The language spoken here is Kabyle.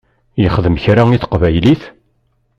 Yexdem kra i teqbaylit?